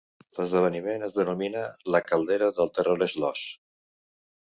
L'esdeveniment es denomina "La caldera del terror Sloss".